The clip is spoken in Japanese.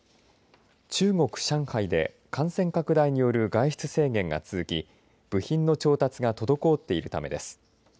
中国・上海で感染拡大による外出制限が続き部品の調達が滞っているためです。